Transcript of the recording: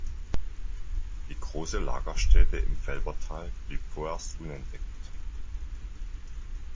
Die große Lagerstätte im Felbertal blieb vorerst unentdeckt.